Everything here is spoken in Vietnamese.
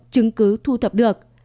chứng cứ thu thập được